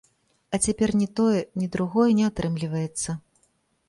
А цяпер ні тое, ні другое не атрымліваецца.